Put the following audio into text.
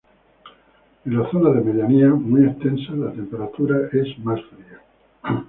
En la zona de medianías, muy extensa, la temperatura es más fría.